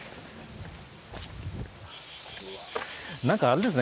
なんかあれですね。